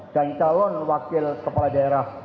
dan talon wakil kepala daerah